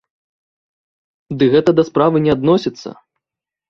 Ды гэта да справы не адносіцца.